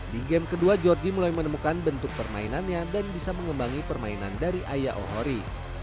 di game kedua georgie mulai menemukan bentuk permainannya dan bisa mengembangi permainan dari ayah ohori